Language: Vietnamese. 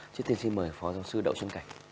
trước tiên xin mời phó giáo sư đậu xuân cảnh